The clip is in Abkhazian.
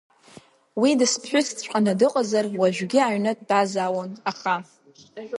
Уи дысԥҳәысҵәҟьаны дыҟазар, уажәгьы аҩны дтәазаауан, аха…